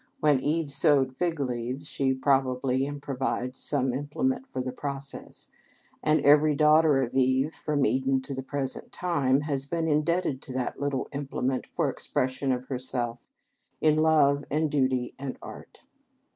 When Eve sewed fig leaves she probably improvised some implement for the process, and every daughter of Eve, from Eden to the present time, has been indebted to that little implement for expression of herself in love and duty and art.